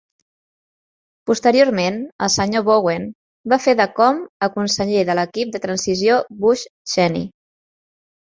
Posteriorment, el Sr. Bowen va fer de com a Conseller de l'equip de transició Bush-Cheney.